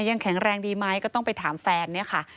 ยังแข็งแรงดีไหมก็ต้องไปถามแฟนเนี่ยค่ะ